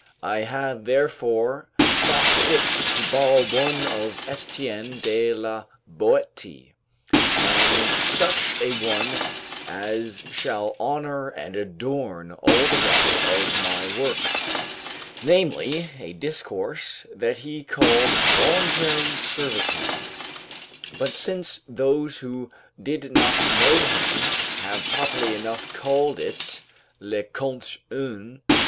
I have therefore thought fit to borrow one of Estienne de la Boetie, and such a one as shall honour and adorn all the rest of my work namely, a discourse that he called 'Voluntary Servitude'; but, since, those who did not know him have properly enough called it "Le contr Un."